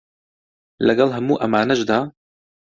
لەگەڵ هەموو ئەمانەشدا